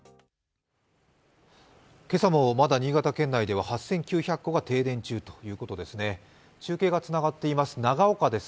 今朝もまだ新潟県内では８９００戸が停電中ということです。